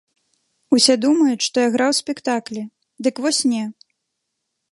Усе думаюць, што я граў спектаклі, дык вось не!